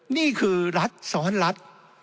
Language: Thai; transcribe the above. นี่คือรัฐซ้อนรัฐ